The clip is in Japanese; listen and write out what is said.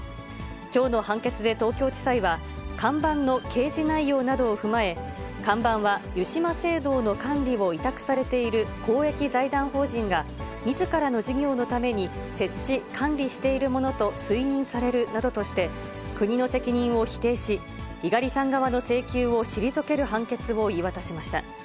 きょうの判決で東京地裁は、看板の掲示内容などを踏まえ、看板は湯島聖堂の管理を委託されている公益財団法人がみずからの事業のために設置、管理しているものと推認されるなどとして、国の責任を否定し、猪狩さん側の請求を退ける判決を言い渡しました。